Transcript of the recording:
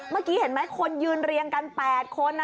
เมื่อกี้เห็นไหมคนยืนเรียงกัน๘คน